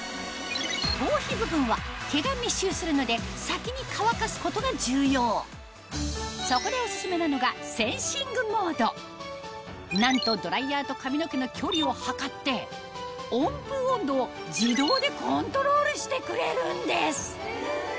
頭皮部分は毛が密集するので先に乾かすことが重要そこでオススメなのがなんと温風温度を自動でコントロールしてくれるんです